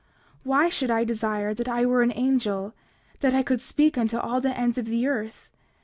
29:7 Why should I desire that I were an angel, that I could speak unto all the ends of the earth?